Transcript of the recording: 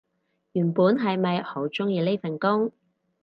原本係咪好鍾意呢份工